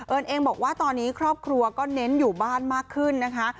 เองบอกว่าตอนนี้ครอบครัวก็เน้นอยู่บ้านมากขึ้นนะคะ